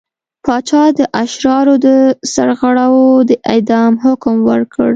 پاچا د اشرارو د سرغاړو د اعدام حکم ورکړ.